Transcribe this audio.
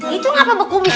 itu apa beku bisu